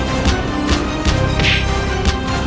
saya akan menjaga kebenaran raden